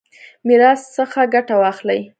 میراث څخه ګټه واخلي.